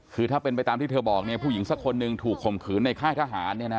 คือถ้าเป็นไปตามที่เธอบอกเนี่ยผู้หญิงสักคนหนึ่งถูกข่มขืนในค่ายทหาร